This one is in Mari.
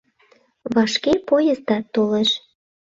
Вашке поездат толеш.